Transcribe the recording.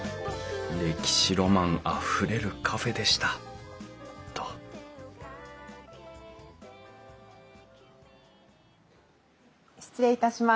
歴史ロマンあふれるカフェでしたと失礼いたします。